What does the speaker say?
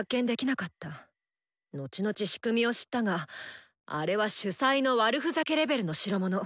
のちのち仕組みを知ったがあれは主催の悪ふざけレベルの代物！